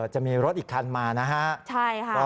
จะมีรถอีกคันมานะฮะ